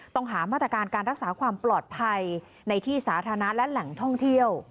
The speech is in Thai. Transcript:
ต้องหามาตรการการรักษาความปลอดภัยในที่สาธารณะและแหล่งท่องเที่ยว